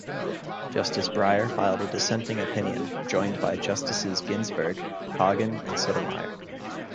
Justice Breyer filed a dissenting opinion, joined by Justices Ginsburg, Kagan and Sotomayor.